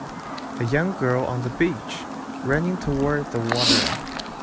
A young girl on the beach, running toward the water.